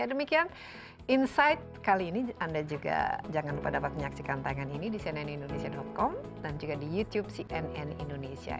ya demikian insight kali ini anda juga jangan lupa dapat menyaksikan tangan ini di cnnindonesia com dan juga di youtube cnn indonesia